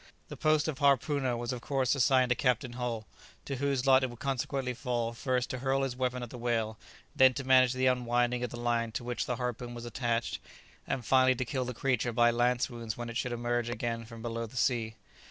The post of harpooner was of course assigned to Captain Hull, to whose lot it would consequently fall first to hurl his weapon at the whale, then to manage the unwinding of the line to which the harpoon was attached, and finally to kill the creature by lance wounds when it should emerge again from below the sea.